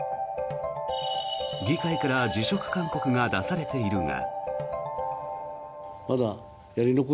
議会から辞職勧告が出されているが。